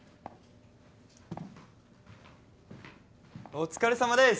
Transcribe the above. お疲れさまです。